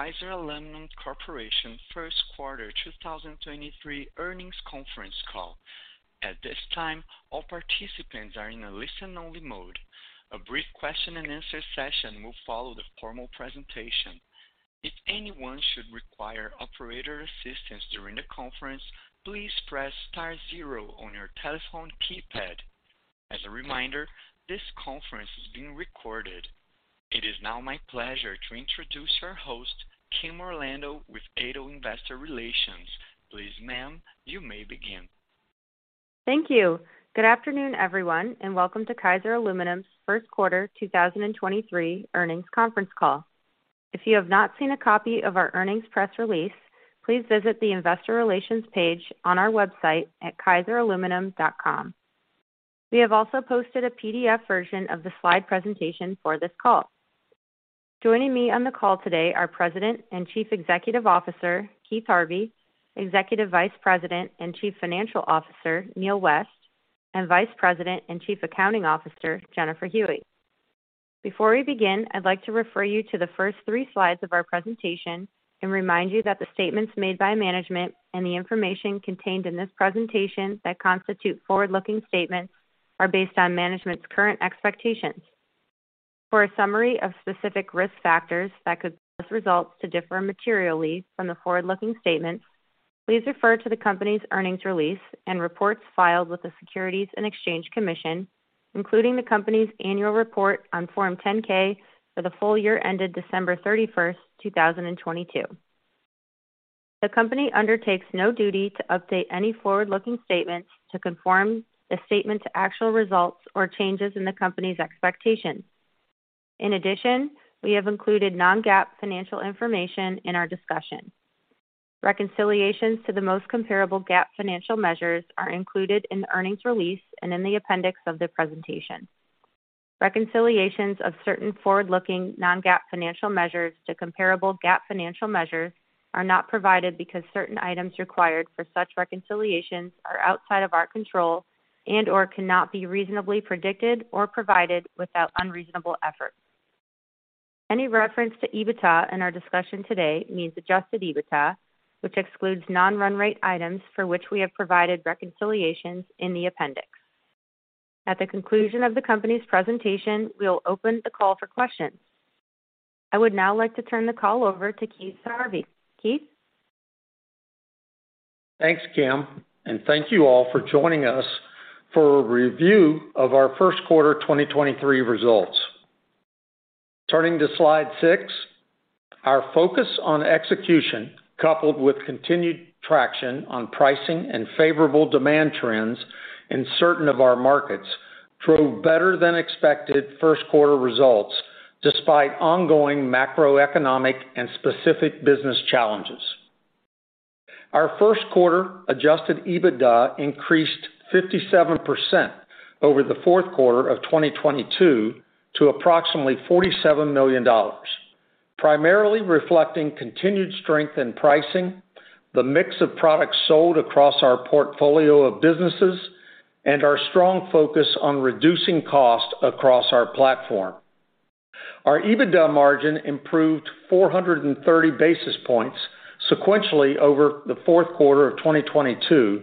Kaiser Aluminum Corporation First Quarter 2023 Earnings Conference Call. At this time, all participants are in a listen-only mode. A brief question-and-answer session will follow the formal presentation. If anyone should require operator assistance during the conference, please press star zero on your telephone keypad. As a reminder, this conference is being recorded. It is now my pleasure to introduce our host, Kim Orlando, with Addo Investor Relations. Please, ma'am, you may begin. Thank you. Good afternoon, everyone, and welcome to Kaiser Aluminum's First Quarter 2023 Earnings Conference Call. If you have not seen a copy of our earnings press release, please visit the investor relations page on our website at kaiseraluminum.com. We have also posted a PDF version of the slide presentation for this call. Joining me on the call today are President and Chief Executive Officer, Keith Harvey, Executive Vice President and Chief Financial Officer, Neal West, and Vice President and Chief Accounting Officer, Jennifer Huey. Before we begin Id like to refer you to the first three slide of our presentation and remind you that the statement made by management and the information contains in this presentation that constitute forward-looking statements are based on management's current expectations. For a summary of specific risk factors that could cause results to differ materially from the forward-looking statements, please refer to the company's earnings release and reports filed with the Securities and Exchange Commission, including the company's annual report on Form 10-K for the full year ended December 31st, 2022. The company undertakes no duty to update any forward-looking statements to conform the statement to actual results or changes in the company's expectations. We have included non-GAAP financial information in our discussion. Reconciliations to the most comparable GAAP financial measures are included in the earnings release and in the appendix of the presentation. Reconciliations of certain forward-looking non-GAAP financial measures to comparable GAAP financial measures are not provided because certain items required for such reconciliations are outside of our control and/or cannot be reasonably predicted or provided without unreasonable effort. Any reference to EBITDA in our discussion today means Adjusted EBITDA, which excludes non-run rate items for which we have provided reconciliations in the appendix. At the conclusion of the company's presentation, we'll open the call for questions. I would now like to turn the call over to Keith Harvey. Keith. Thanks, Kim. Thank you all for joining us for a review of our first quarter 2023 results. Turning to slide six, our focus on execution coupled with continued traction on pricing and favorable demand trends in certain of our markets drove better-than-expected first quarter results despite ongoing macroeconomic and specific business challenges. Our first quarter Adjusted EBITDA increased 57% over the fourth quarter of 2022 to approximately $47 million, primarily reflecting continued strength in pricing, the mix of products sold across our portfolio of businesses, and our strong focus on reducing cost across our platform. Our EBITDA margin improved 430 basis points sequentially over the fourth quarter of 2022,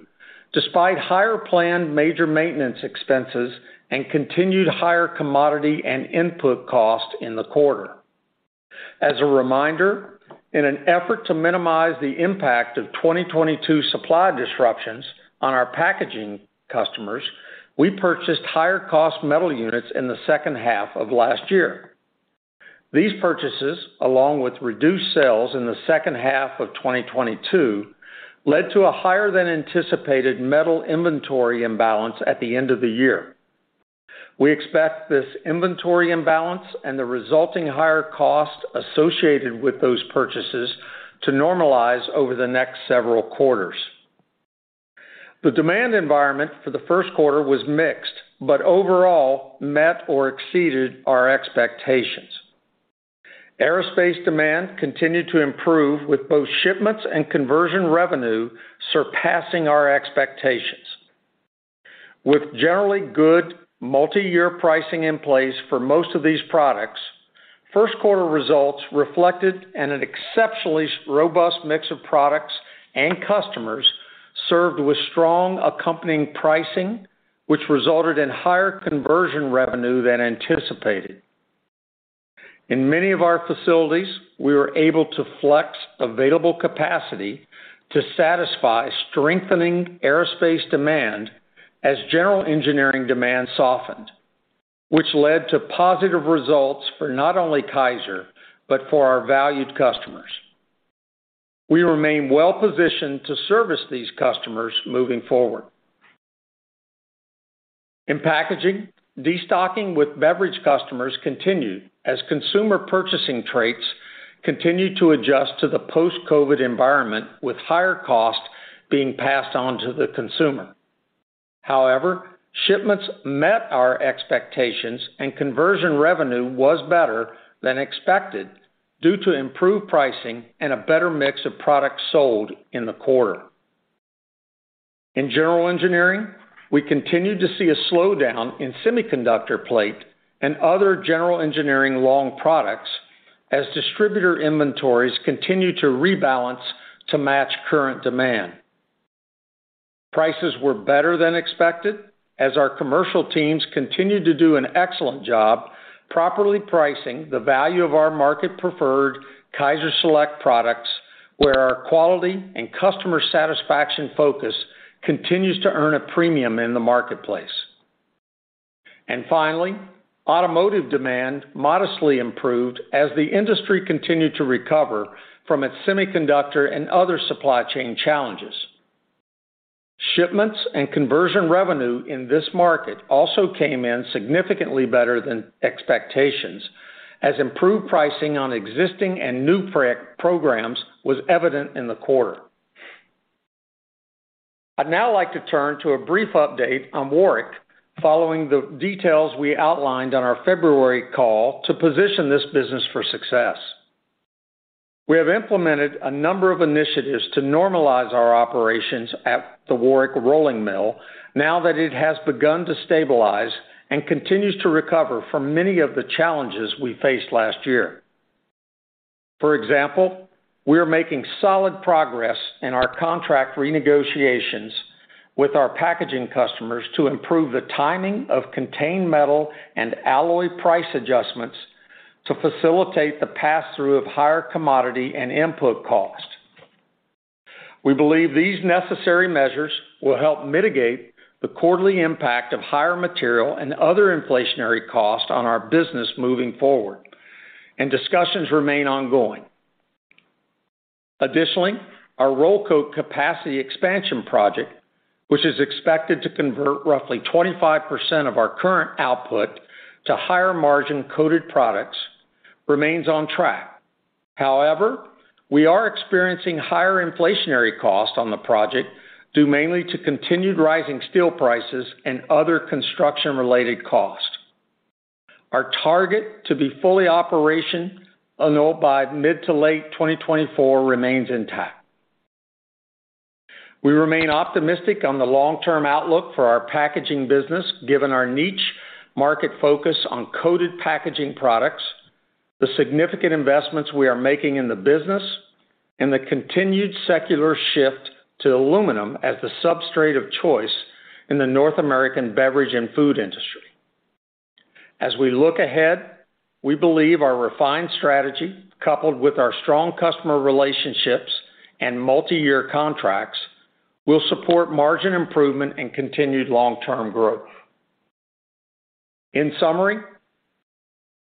despite higher planned major maintenance expenses and continued higher commodity and input cost in the quarter. As a reminder, in an effort to minimize the impact of 2022 supply disruptions on our packaging customers, we purchased higher-cost metal units in the second half of last year. These purchases, along with reduced sales in the second half of 2022, led to a higher-than-anticipated metal inventory imbalance at the end of the year. We expect this inventory imbalance and the resulting higher cost associated with those purchases to normalize over the next several quarters. The demand environment for the first quarter was mixed, but overall met or exceeded our expectations. Aerospace demand continued to improve with both shipments and Conversion Revenue surpassing our expectations. With generally good multiyear pricing in place for most of these products, first quarter results reflected an exceptionally robust mix of products and customers served with strong accompanying pricing, which resulted in higher Conversion Revenue than anticipated. In many of our facilities, we were able to flex available capacity to satisfy strengthening aerospace demand as general engineering demand softened, which led to positive results for not only Kaiser, but for our valued customers. We remain well-positioned to service these customers moving forward. In packaging, destocking with beverage customers continued as consumer purchasing traits continued to adjust to the post-COVID environment with higher cost being passed on to the consumer. However, shipments met our expectations, and Conversion Revenue was better than expected due to improved pricing and a better mix of products sold in the quarter. In general engineering, we continued to see a slowdown in semiconductor plate and other general engineering long products as distributor inventories continued to rebalance to match current demand. Prices were better than expected as our commercial teams continued to do an excellent job properly pricing the value of our market-preferred KaiserSelect products, where our quality and customer satisfaction focus continues to earn a premium in the marketplace. Finally, automotive demand modestly improved as the industry continued to recover from its semiconductor and other supply chain challenges. Shipments and Conversion Revenue in this market also came in significantly better than expectations as improved pricing on existing and new frac programs was evident in the quarter. I'd now like to turn to a brief update on Warrick following the details we outlined on our February call to position this business for success. We have implemented a number of initiatives to normalize our operations at the Warrick Rolling Mill now that it has begun to stabilize and continues to recover from many of the challenges we faced last year. For example, we are making solid progress in our contract renegotiations with our packaging customers to improve the timing of contained metal and alloy price adjustments to facilitate the passthrough of higher commodity and input costs. We believe these necessary measures will help mitigate the quarterly impact of higher material and other inflationary costs on our business moving forward, and discussions remain ongoing. Additionally, our roll coat capacity expansion project, which is expected to convert roughly 25% of our current output to higher-margin coated products, remains on track. However, we are experiencing higher inflationary costs on the project due mainly to continued rising steel prices and other construction-related costs. Our target to be fully operational by mid to late 2024 remains intact. We remain optimistic on the long-term outlook for our packaging business given our niche market focus on coated packaging products, the significant investments we are making in the business, and the continued secular shift to aluminum as the substrate of choice in the North American beverage and food industry. As we look ahead, we believe our refined strategy, coupled with our strong customer relationships and multiyear contracts, will support margin improvement and continued long-term growth. In summary,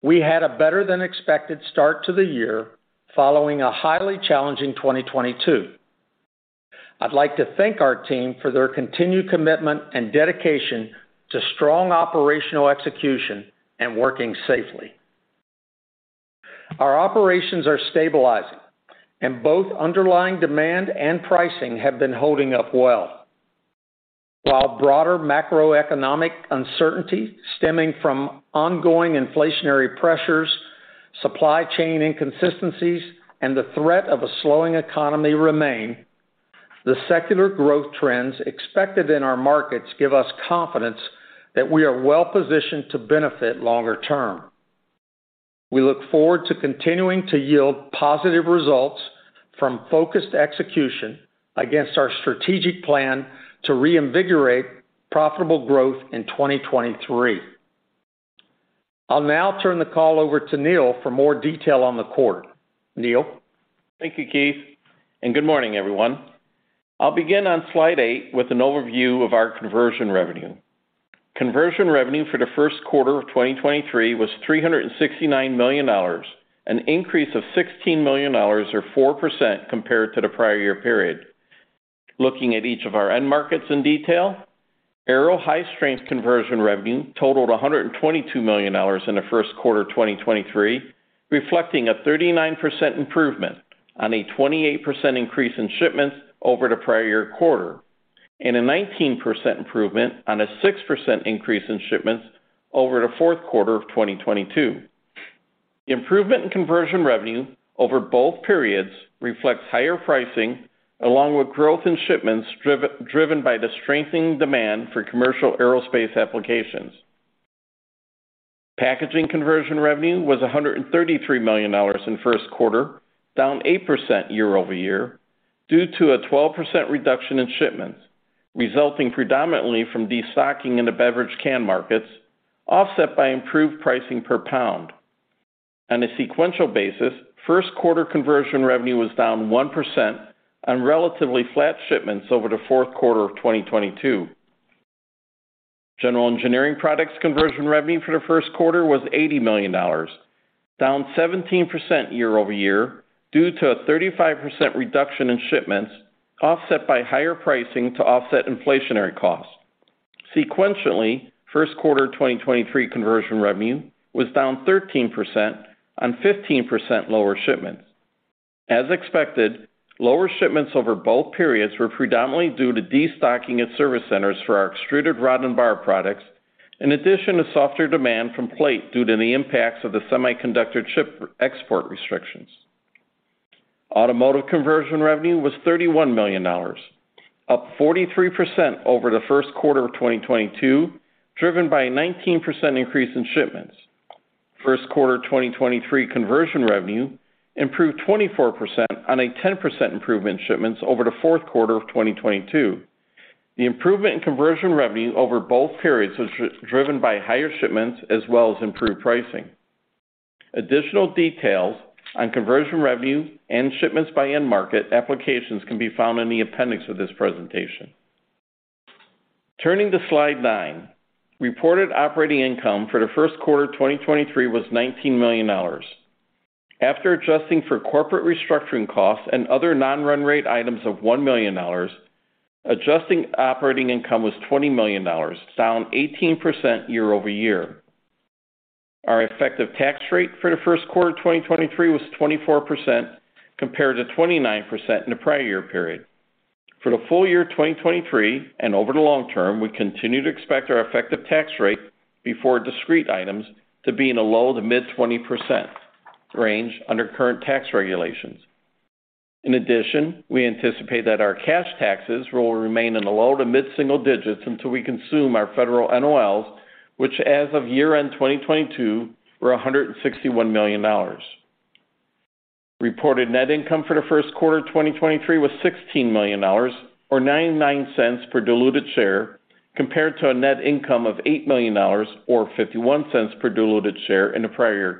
we had a better-than-expected start to the year following a highly challenging 2022. I'd like to thank our team for their continued commitment and dedication to strong operational execution and working safely. Our operations are stabilizing, and both underlying demand and pricing have been holding up well. While broader macroeconomic uncertainty stemming from ongoing inflationary pressures, supply chain inconsistencies, and the threat of a slowing economy remain, the secular growth trends expected in our markets give us confidence that we are well-positioned to benefit longer term. We look forward to continuing to yield positive results from focused execution against our strategic plan to reinvigorate profitable growth in 2023. I'll now turn the call over to Neal for more detail on the quarter. Neal? Thank you, Keith, good morning, everyone. I'll begin on slide eight with an overview of our Conversion Revenue. Conversion Revenue for the first quarter of 2023 was $369 million, an increase of $16 million or 4% compared to the prior year period. Looking at each of our end markets in detail, Aero & High Strength Conversion Revenue totaled $122 million in the first quarter of 2023, reflecting a 39% improvement on a 28% increase in shipments over the prior year quarter and a 19% improvement on a 6% increase in shipments over the fourth quarter of 2022. Improvement in Conversion Revenue over both periods reflects higher pricing along with growth in shipments driven by the strengthening demand for commercial aerospace applications. Packaging Conversion Revenue was $133 million in the first quarter, down 8% year-over-year due to a 12% reduction in shipments, resulting predominantly from destocking in the beverage can markets, offset by improved pricing per pound. On a sequential basis, first quarter Conversion Revenue was down 1% on relatively flat shipments over the fourth quarter of 2022. General engineering products Conversion Revenue for the first quarter was $80 million, down 17% year-over-year due to a 35% reduction in shipments offset by higher pricing to offset inflationary costs. Sequentially, first quarter 2023 Conversion Revenue was down 13% on 15% lower shipments. As expected, lower shipments over both periods were predominantly due to destocking at service centers for our extruded rod and bar products, in addition to softer demand from plate due to the impacts of the semiconductor chip export restrictions. Automotive Conversion Revenue was $31 million, up 43% over the first quarter of 2022, driven by a 19% increase in shipments. First quarter 2023 Conversion Revenue improved 24% on a 10% improvement in shipments over the fourth quarter of 2022. The improvement in Conversion Revenue over both periods was driven by higher shipments as well as improved pricing. Additional details on Conversion Revenue and shipments by end market applications can be found in the appendix of this presentation. Turning to slide nine. Reported operating income for the first quarter of 2023 was $19 million. After adjusting for corporate restructuring costs and other non-run rate items of $1 million, adjusting operating income was $20 million, down 18% year-over-year. Our effective tax rate for the first quarter of 2023 was 24% compared to 29% in the prior year period. For the full year 2023 and over the long term, we continue to expect our effective tax rate before discrete items to be in the low to mid-20% range under current tax regulations. In addition, we anticipate that our cash taxes will remain in the low to mid-single digits until we consume our federal NOLs, which as of year-end 2022 were $161 million. Reported net income for the first quarter of 2023 was $16 million or $0.99 per diluted share compared to a net income of $8 million or $0.51 per diluted share in the prior year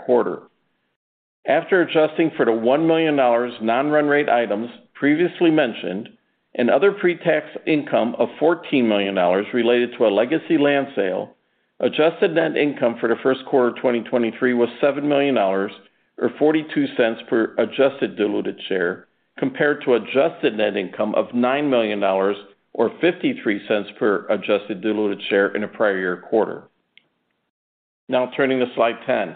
quarter. After adjusting for the $1 million non-run rate items previously mentioned, and other pre-tax income of $14 million related to a legacy land sale, adjusted net income for the first quarter of 2023 was $7 million or $0.42 per adjusted diluted share compared to adjusted net income of $9 million or $0.53 per adjusted diluted share in the prior year quarter. Turning to slide 10.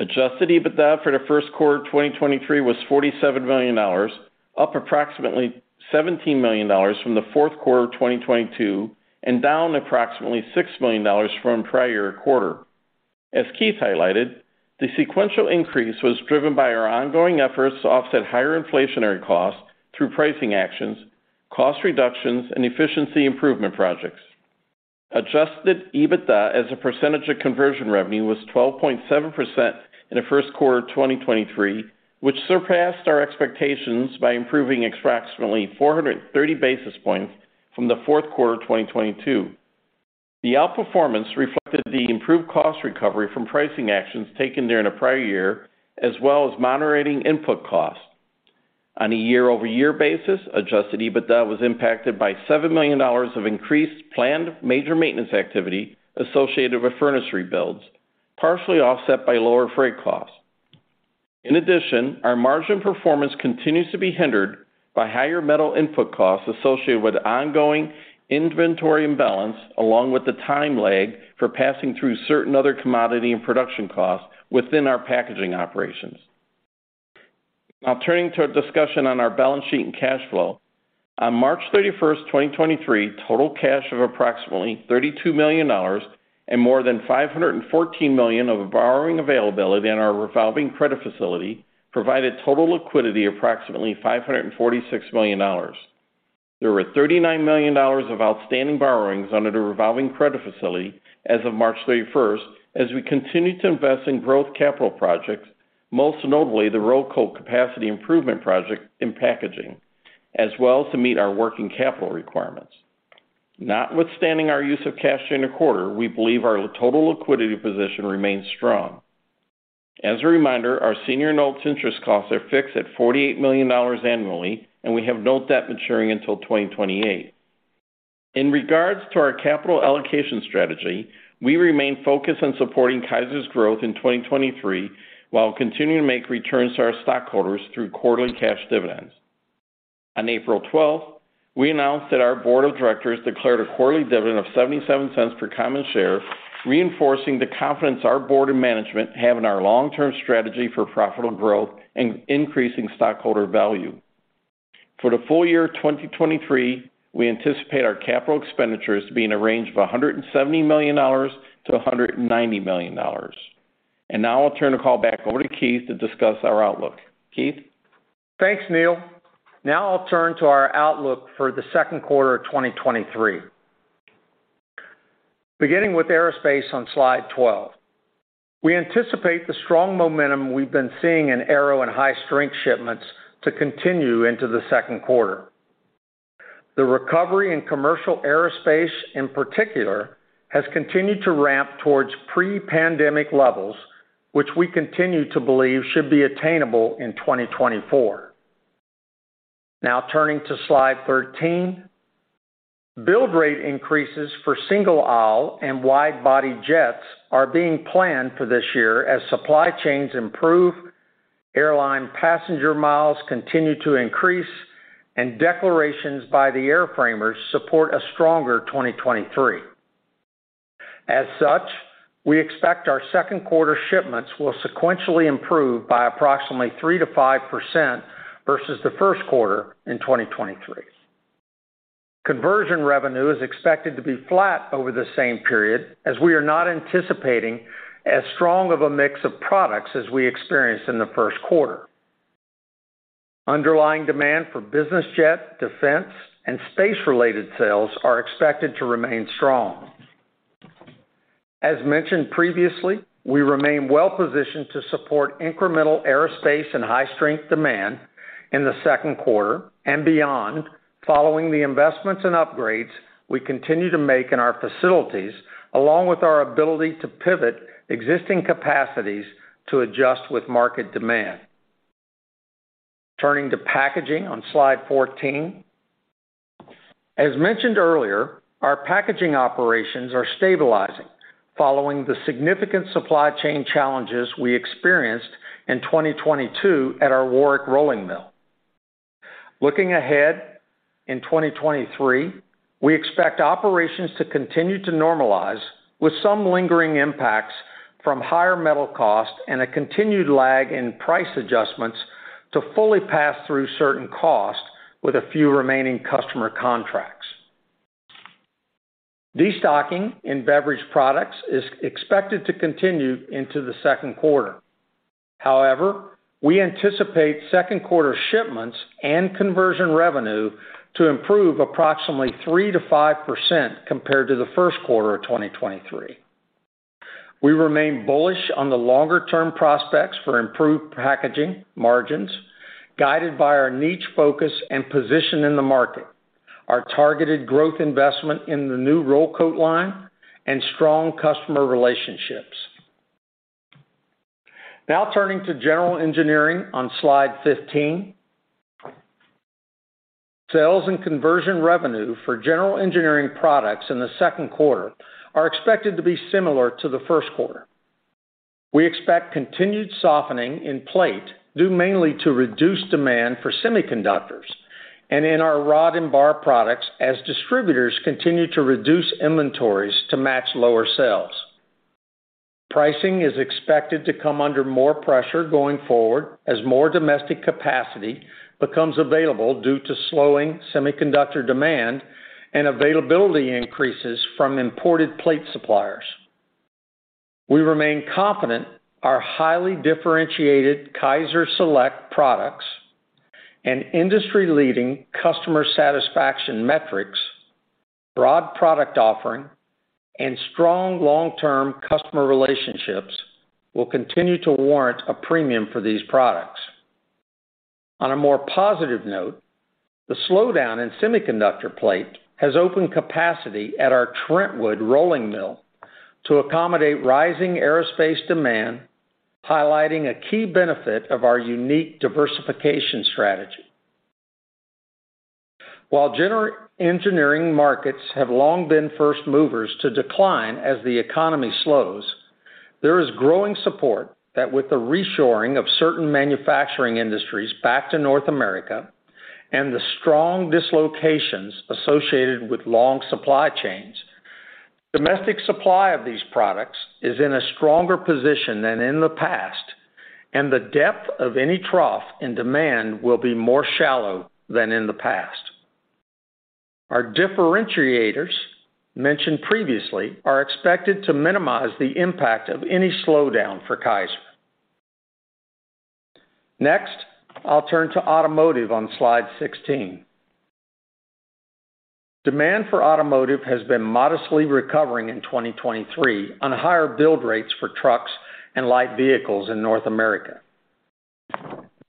Adjusted EBITDA for the first quarter of 2023 was $47 million, up approximately $17 million from the fourth quarter of 2022, and down approximately $6 million from prior year quarter. As Keith highlighted, the sequential increase was driven by our ongoing efforts to offset higher inflationary costs through pricing actions, cost reductions and efficiency improvement projects. Adjusted EBITDA as a percentage of Conversion Revenue was 12.7% in the first quarter of 2023, which surpassed our expectations by improving approximately 430 basis points from the fourth quarter of 2022. The outperformance reflected the improved cost recovery from pricing actions taken during the prior year, as well as moderating input costs. On a year-over-year basis, Adjusted EBITDA was impacted by $7 million of increased planned major maintenance activity associated with furnace rebuilds, partially offset by lower freight costs. In addition, our margin performance continues to be hindered by higher metal input costs associated with ongoing inventory imbalance, along with the time lag for passing through certain other commodity and production costs within our packaging operations. Turning to a discussion on our balance sheet and cash flow. On March 31st, 2023, total cash of approximately $32 million and more than $514 million of borrowing availability in our revolving credit facility provided total liquidity approximately $546 million. There were $39 million of outstanding borrowings under the revolving credit facility as of March 31st, as we continue to invest in growth capital projects, most notably the Roll Coat Capacity Improvement project in packaging, as well as to meet our working capital requirements. Notwithstanding our use of cash during the quarter, we believe our total liquidity position remains strong. As a reminder, our senior notes interest costs are fixed at $48 million annually. We have no debt maturing until 2028. In regards to our capital allocation strategy, we remain focused on supporting Kaiser's growth in 2023 while continuing to make returns to our stockholders through quarterly cash dividends. On April 12th, we announced that our board of directors declared a quarterly dividend of $0.77 per common share, reinforcing the confidence our board and management have in our long-term strategy for profitable growth and increasing stockholder value. For the full year 2023, we anticipate our capital expenditures to be in a range of $170 million-$190 million. Now I'll turn the call back over to Keith to discuss our outlook. Keith? Thanks, Neal. Now I'll turn to our outlook for the second quarter of 2023. Beginning with aerospace on slide 12. We anticipate the strong momentum we've been seeing in Aero & High Strength shipments to continue into the second quarter. The recovery in commercial aerospace, in particular, has continued to ramp towards pre-pandemic levels, which we continue to believe should be attainable in 2024. Now turning to slide 13. Build rate increases for single-aisle and wide-body jets are being planned for this year as supply chains improve, airline passenger miles continue to increase, and declarations by the air framers support a stronger 2023. As such, we expect our second quarter shipments will sequentially improve by approximately 3%-5% versus the first quarter in 2023. Conversion Revenue is expected to be flat over the same period as we are not anticipating as strong of a mix of products as we experienced in the first quarter. Underlying demand for business jet, defense, and space-related sales are expected to remain strong. As mentioned previously, we remain well-positioned to support incremental Aerospace & High Strength demand in the second quarter and beyond following the investments and upgrades we continue to make in our facilities, along with our ability to pivot existing capacities to adjust with market demand. Turning to packaging on slide 14. As mentioned earlier, our packaging operations are stabilizing following the significant supply chain challenges we experienced in 2022 at our Warrick Rolling Mill. Looking ahead, in 2023, we expect operations to continue to normalize with some lingering impacts from higher metal costs and a continued lag in price adjustments to fully pass through certain costs with a few remaining customer contracts. Destocking in beverage products is expected to continue into the second quarter. However, we anticipate second quarter shipments and conversion revenue to improve approximately 3%-5% compared to the first quarter of 2023. We remain bullish on the longer-term prospects for improved packaging margins, guided by our niche focus and position in the market, our targeted growth investment in the new roll coat line, and strong customer relationships. Now turning to general engineering on slide 15. Sales and conversion revenue for general engineering products in the second quarter are expected to be similar to the first quarter. We expect continued softening in plate, due mainly to reduced demand for semiconductors and in our rod and bar products as distributors continue to reduce inventories to match lower sales. Pricing is expected to come under more pressure going forward as more domestic capacity becomes available due to slowing semiconductor demand and availability increases from imported plate suppliers. We remain confident our highly differentiated KaiserSelect products and industry-leading customer satisfaction metrics, broad product offering, and strong long-term customer relationships will continue to warrant a premium for these products. On a more positive note, the slowdown in semiconductor plate has opened capacity at our Trentwood Rolling Mill to accommodate rising aerospace demand, highlighting a key benefit of our unique diversification strategy. While general engineering markets have long been first movers to decline as the economy slows, there is growing support that with the reshoring of certain manufacturing industries back to North America and the strong dislocations associated with long supply chains, domestic supply of these products is in a stronger position than in the past, and the depth of any trough and demand will be more shallow than in the past. Our differentiators mentioned previously are expected to minimize the impact of any slowdown for Kaiser. Next, I'll turn to automotive on slide 16. Demand for automotive has been modestly recovering in 2023 on higher build rates for trucks and light vehicles in North America.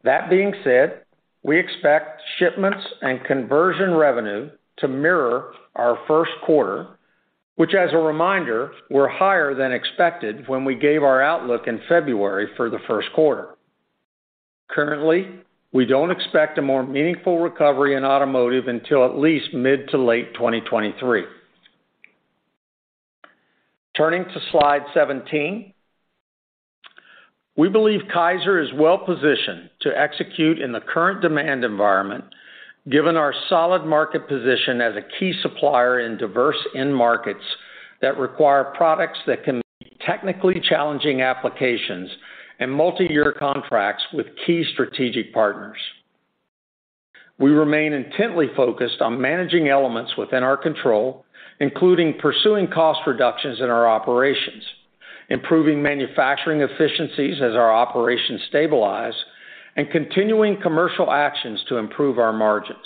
That being said, we expect shipments and Conversion Revenue to mirror our first quarter, which as a reminder, were higher than expected when we gave our outlook in February for the first quarter. Currently, we don't expect a more meaningful recovery in automotive until at least mid to late 2023. Turning to slide 17. We believe Kaiser is well-positioned to execute in the current demand environment given our solid market position as a key supplier in diverse end markets that require products that can meet technically challenging applications and multiyear contracts with key strategic partners. We remain intently focused on managing elements within our control, including pursuing cost reductions in our operations, improving manufacturing efficiencies as our operations stabilize, and continuing commercial actions to improve our margins.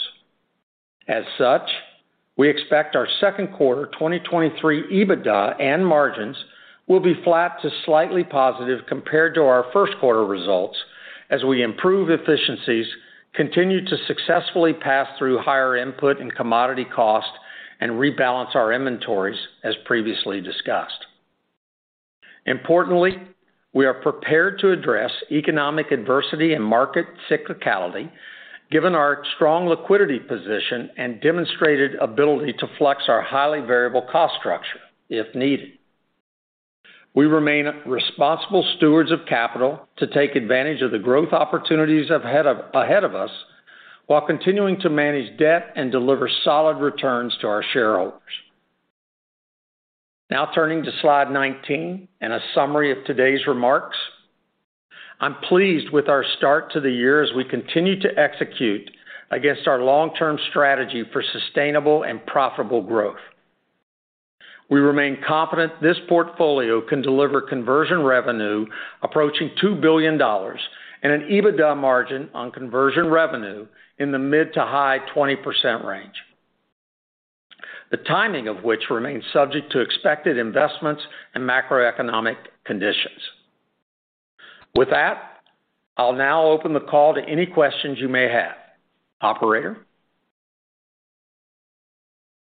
We expect our second quarter 2023 EBITDA and margins will be flat to slightly positive compared to our first quarter results as we improve efficiencies, continue to successfully pass through higher input and commodity costs, and rebalance our inventories as previously discussed. Importantly, we are prepared to address economic adversity and market cyclicality given our strong liquidity position and demonstrated ability to flex our highly variable cost structure if needed. We remain responsible stewards of capital to take advantage of the growth opportunities ahead of us while continuing to manage debt and deliver solid returns to our shareholders. Now turning to slide 19 and a summary of today's remarks. I'm pleased with our start to the year as we continue to execute against our long-term strategy for sustainable and profitable growth. We remain confident this portfolio can deliver Conversion Revenue approaching $2 billion and an EBITDA margin on Conversion Revenue in the mid to high 20% range, the timing of which remains subject to expected investments and macroeconomic conditions. With that, I'll now open the call to any questions you may have. Operator.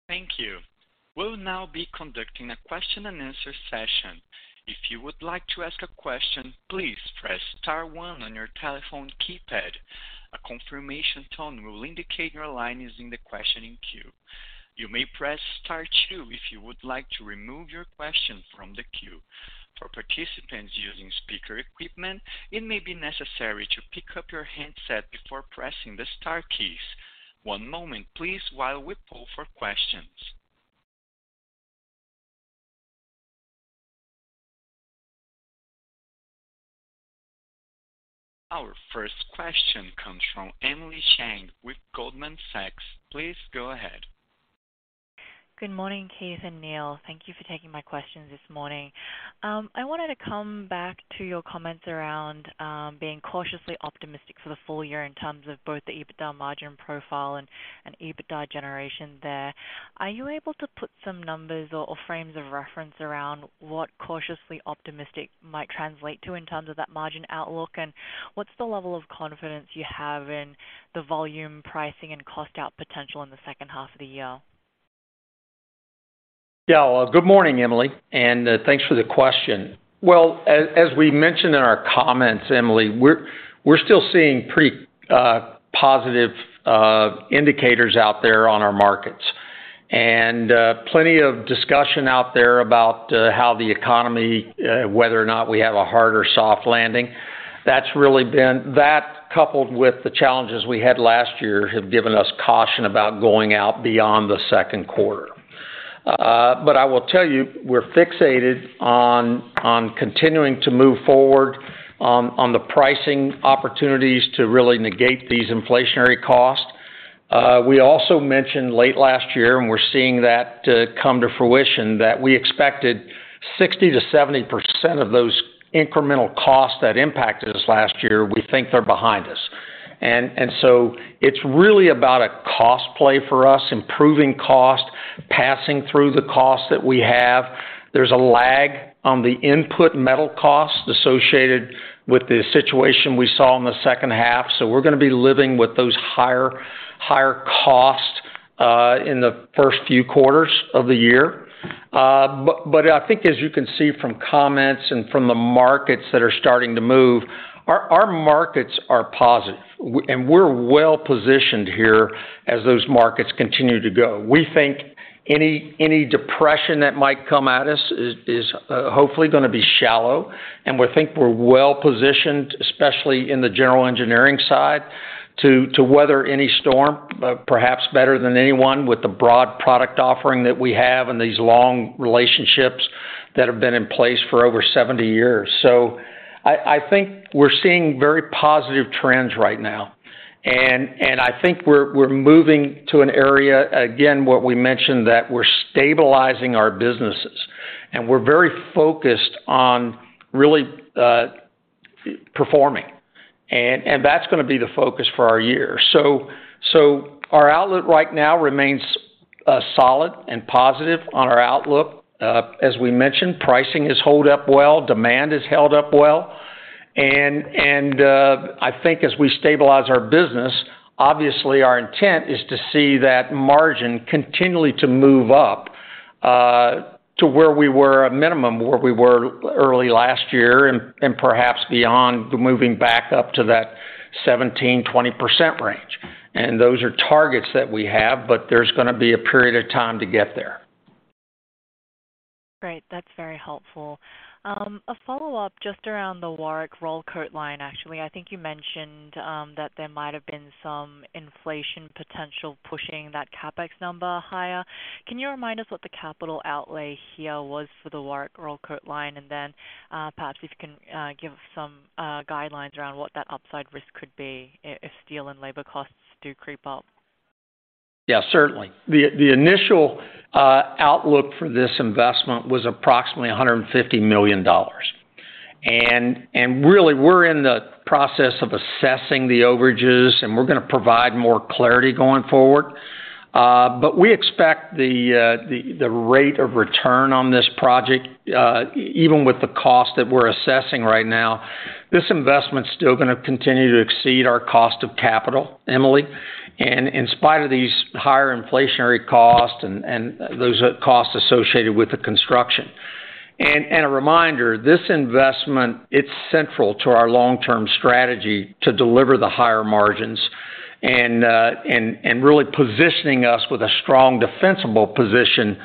Thank you. We'll now be conducting a question-and-answer session. If you would like to ask a question, please press star one on your telephone keypad. A confirmation tone will indicate your line is in the questioning queue. You may press star two if you would like to remove your question from the queue. For participants using speaker equipment, it may be necessary to pick up your handset before pressing the star keys. One moment please while we poll for questions. Our first question comes from Emily Chieng with Goldman Sachs. Please go ahead. Good morning, Keith and Neal. Thank you for taking my questions this morning. I wanted to come back to your comments around being cautiously optimistic for the full year in terms of both the EBITDA margin profile and EBITDA generation there. Are you able to put some numbers or frames of reference around what cautiously optimistic might translate to in terms of that margin outlook? What's the level of confidence you have in the volume, pricing, and cost out potential in the second half of the year? Good morning, Emily, thanks for the question. As we mentioned in our comments, Emily, we're still seeing pretty positive indicators out there on our markets. Plenty of discussion out there about how the economy, whether or not we have a hard or soft landing. That coupled with the challenges we had last year, have given us caution about going out beyond the second quarter. I will tell you we're fixated on continuing to move forward on the pricing opportunities to really negate these inflationary costs. We also mentioned late last year, we're seeing that come to fruition, that we expected 60%-70% of those incremental costs that impacted us last year, we think they're behind us. It's really about a cost play for us, improving cost, passing through the cost that we have. There's a lag on the input metal costs associated with the situation we saw in the second half, so we're gonna be living with those higher costs in the first few quarters of the year. I think as you can see from comments and from the markets that are starting to move, our markets are positive. We're well-positioned here as those markets continue to go. We think any depression that might come at us is hopefully gonna be shallow. We think we're well-positioned, especially in the general engineering side, to weather any storm, perhaps better than anyone with the broad product offering that we have and these long relationships that have been in place for over 70 years. I think we're seeing very positive trends right now. I think we're moving to an area, again, what we mentioned, that we're stabilizing our businesses, and we're very focused on really performing. That's gonna be the focus for our year. Our outlook right now remains solid and positive on our outlook. As we mentioned, pricing has hold up well, demand has held up well. I think as we stabilize our business, obviously our intent is to see that margin continually to move up to where we were a minimum, where we were early last year and perhaps beyond moving back up to that 17%-20% range. Those are targets that we have, but there's gonna be a period of time to get there. Great. That's very helpful. A follow-up just around the Warrick Roll Coat line, actually. I think you mentioned that there might have been some inflation potential pushing that CapEx number higher. Can you remind us what the capital outlay here was for the Warrick Roll Coat line? Then, perhaps if you can give some guidelines around what that upside risk could be if steel and labor costs do creep up. Certainly. The initial outlook for this investment was approximately $150 million. Really we're in the process of assessing the overages, and we're gonna provide more clarity going forward. We expect the rate of return on this project, even with the cost that we're assessing right now, this investment's still gonna continue to exceed our cost of capital, Emily. In spite of these higher inflationary costs and those costs associated with the construction. A reminder, this investment, it's central to our long-term strategy to deliver the higher margins and really positioning us with a strong defensible position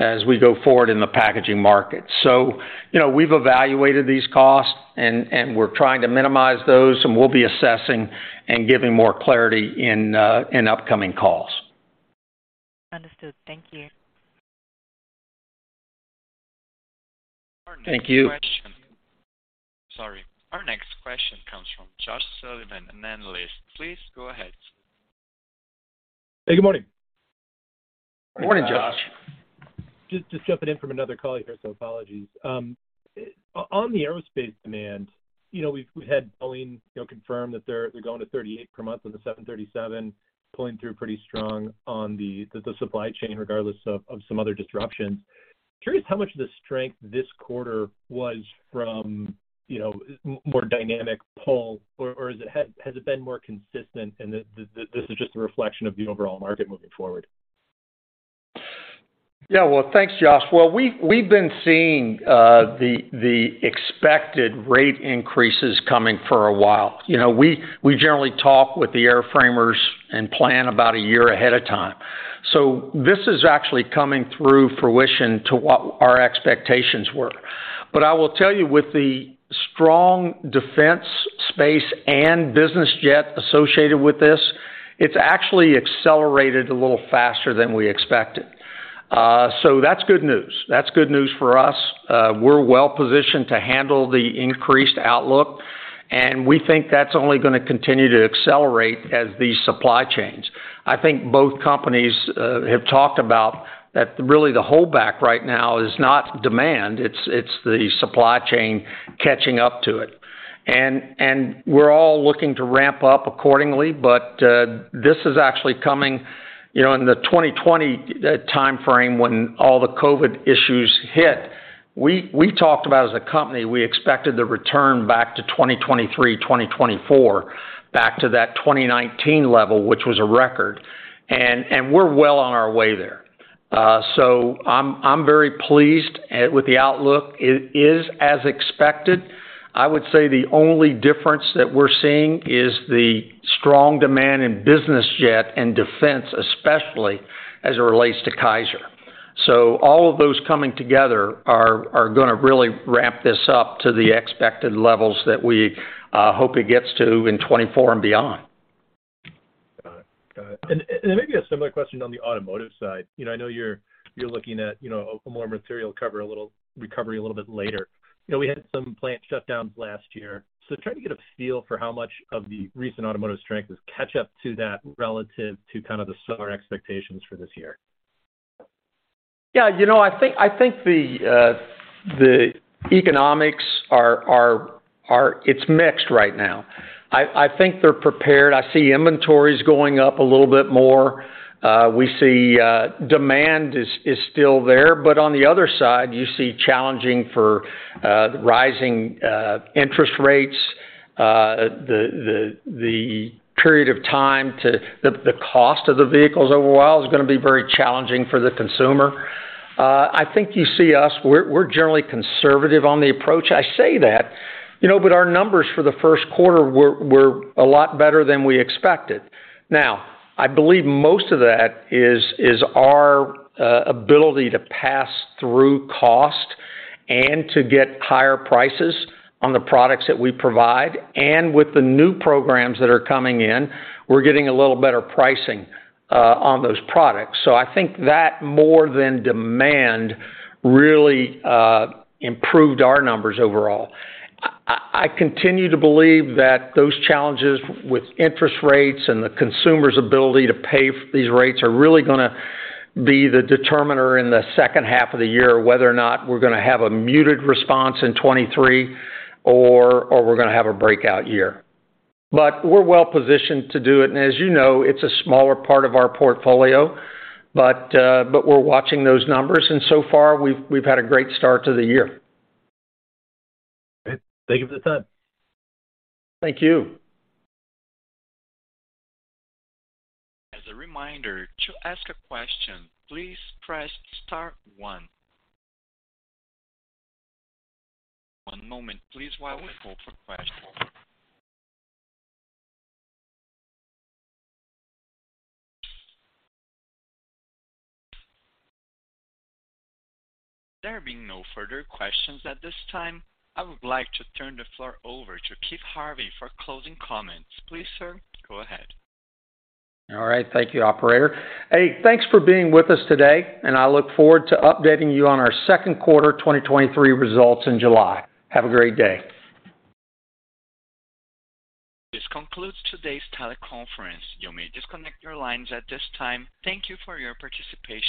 as we go forward in the packaging market. You know, we've evaluated these costs and we're trying to minimize those, and we'll be assessing and giving more clarity in upcoming calls. Understood. Thank you. Thank you. Sorry. Our next question comes from Josh Sullivan, an analyst. Please go ahead. Hey, good morning. Morning, Josh. Just jumping in from another colleague here. Apologies. On the aerospace demand, you know, we've had Boeing, you know, confirm that they're going to 38 per month on the 737, pulling through pretty strong on the supply chain regardless of some other disruptions. Curious how much of the strength this quarter was from, you know, more dynamic pull or is it has it been more consistent and this is just a reflection of the overall market moving forward? Yeah. Well, thanks, Josh. We've been seeing the expected rate increases coming for a while. You know, we generally talk with the air framers and plan about a year ahead of time. This is actually coming through fruition to what our expectations were. I will tell you with the strong defense space and business jet associated with this, it's actually accelerated a little faster than we expected. That's good news. That's good news for us. We're well-positioned to handle the increased outlook, and we think that's only gonna continue to accelerate as the supply chains. I think both companies have talked about that really the holdback right now is not demand, it's the supply chain catching up to it. We're all looking to ramp up accordingly, but this is actually coming. You know, in the 2020 timeframe when all the COVID issues hit, we talked about as a company, we expected the return back to 2023, 2024, back to that 2019 level, which was a record, and we're well on our way there. I'm very pleased with the outlook. It is as expected. I would say the only difference that we're seeing is the strong demand in business jet and defense, especially as it relates to Kaiser. All of those coming together are gonna really ramp this up to the expected levels that we hope it gets to in 2024 and beyond. Got it. Got it. Maybe a similar question on the automotive side. You know, I know you're looking at, you know, more material recovery a little bit later. You know, we had some plant shutdowns last year. Trying to get a feel for how much of the recent automotive strength is catch up to that relative to kind of the summer expectations for this year. Yeah. You know, I think, I think the economics are, it's mixed right now. I think they're prepared. I see inventories going up a little bit more. We see demand is still there. On the other side, you see challenging for rising interest rates. The period of time to the cost of the vehicles overall is gonna be very challenging for the consumer. I think you see us, we're generally conservative on the approach. I say that, you know, but our numbers for the first quarter were a lot better than we expected. Now, I believe most of that is our ability to pass through cost and to get higher prices on the products that we provide. With the new programs that are coming in, we're getting a little better pricing on those products. I think that more than demand really improved our numbers overall. I continue to believe that those challenges with interest rates and the consumer's ability to pay these rates are really gonna be the determiner in the second half of the year, whether or not we're gonna have a muted response in 2023 or we're gonna have a breakout year. We're well-positioned to do it. As you know, it's a smaller part of our portfolio, but we're watching those numbers, and so far we've had a great start to the year. Great. Thank you for the time. Thank you. As a reminder, to ask a question, please press star one. One moment, please, while we look for questions. There being no further questions at this time, I would like to turn the floor over to Keith Harvey for closing comments. Please, sir, go ahead. All right. Thank you, operator. Hey, thanks for being with us today, and I look forward to updating you on our second quarter 2023 results in July. Have a great day. This concludes today's teleconference. You may disconnect your lines at this time. Thank you for your participation.